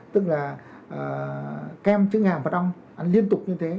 tức là kem trứng ngạc mặt ong ăn liên tục như thế